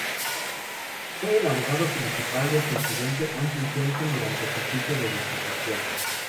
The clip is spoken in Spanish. Fue el abogado principal del presidente Andrew Johnson durante su juicio de destitución.